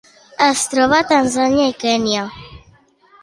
Es troba a Tanzània i Kenya.